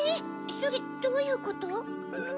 それどういうこと？